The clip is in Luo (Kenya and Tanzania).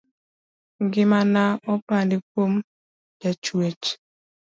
Ngimana opandi kuom jachuech.